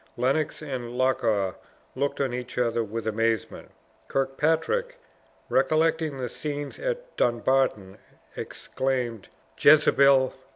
Lennox and Loch awe looked on each other with amazement. Kirkpatrick, recollecting the scenes at Dumbarton, exclaimed "Jezebel!"